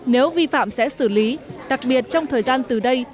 nếu vi phạm sẽ xử lý đặc biệt trong thời gian từ đây